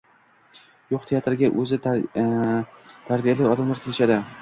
Yo‘q, teatrga o‘zi tarbiyali odamlar kelishadi.